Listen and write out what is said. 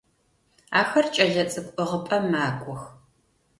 Ахэр кӏэлэцӏыкӏу ӏыгъыпӏэм макӏох.